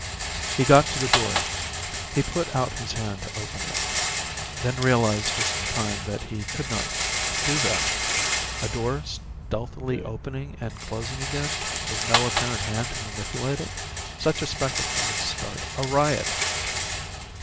He got to the door. He put out his hand to open it, then realized just in time that he could not do that. A door stealthily opening and closing again, with no apparent hand to manipulate it? Such a spectacle would start a riot!